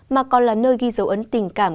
mà còn là nơi ghi dấu ấn tình cảm